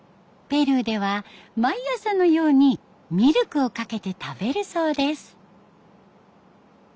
ペルーでは毎朝のようにミルクをかけて食べるそうです。